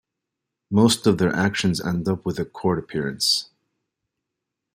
Most of their actions end up with a court appearance.